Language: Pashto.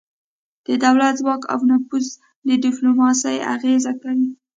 د دولت ځواک او نفوذ په ډیپلوماسي اغیزه کوي